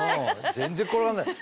全然転がんない。